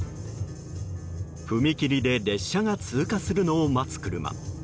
踏切で列車が通過するのを待つ車。